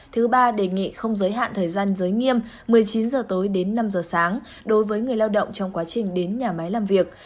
thứ ba đề nghị không giới hạn thời gian giới nghiêm một mươi chín h tối đến năm h sáng đối với người lao động trong quá trình đến nhà máy làm việc